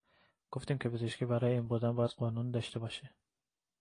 گفتیم که پزشکی برای علم بودن باید قانون داشته باشه.